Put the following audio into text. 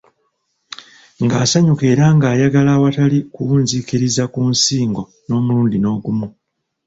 Ng'asanyuka era ng'ayagala awatali kuwunziikiriza ku nsingo n'omurundi n'ogumu.